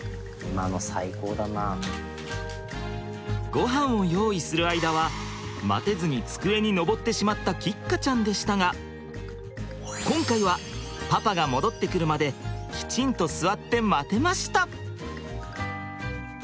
ごはんを用意する間は待てずに机に登ってしまった桔鹿ちゃんでしたが今回はパパが戻ってくるまできちんと座って待てました！